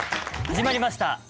始まりました